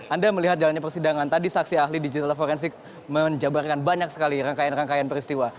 anda melihat jalannya persidangan tadi saksi ahli digital forensik menjabarkan banyak sekali rangkaian rangkaian peristiwa